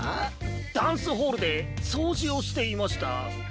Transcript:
ダンスホールでそうじをしていました。